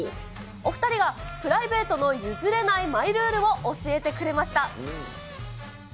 お２人がプライベートの譲れないマイルールを教えてくれました。